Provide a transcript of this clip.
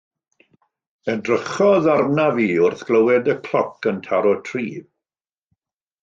Edrychodd arnaf fi wrth glywed y cloc yn taro tri.